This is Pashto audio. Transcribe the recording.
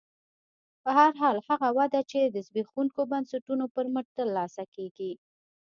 په هر حال هغه وده چې د زبېښونکو بنسټونو پر مټ ترلاسه کېږي